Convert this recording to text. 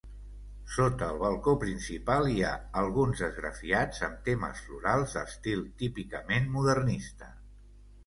Sota el balcó principal hi ha alguns esgrafiats amb temes florals, d'estil típicament modernista.